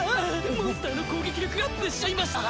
モンスターの攻撃力がアップしてしまいました！